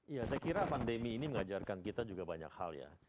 iya saya kira pandemi ini mengajarkan kita juga banyak hal ya